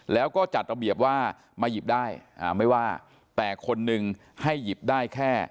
แล้วก็จัดระเบียบว่ามาหยิบได้ไม่ว่าแต่คนนึงให้หยิบได้แค่